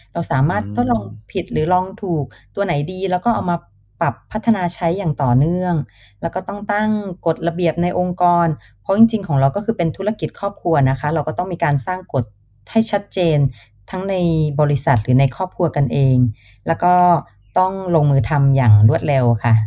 เราสามารถทดลองผิดหรือลองถูกตัวไหนดีแล้วก็เอามาปรับพัฒนาใช้อย่างต่อเนื่องแล้วก็ต้องตั้งกฎระเบียบในองค์กรเพราะจริงจริงของเราก็คือเป็นธุรกิจครอบครัวนะคะเราก็ต้องมีการสร้างกฎให้ชัดเจนทั้งในบริษัทหรือในครอบครัวกันเองแล้วก็ต้องลงมือทำอย่างรวดเร็วค่ะ